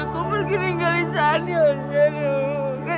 kau pergi ninggalin sani anjir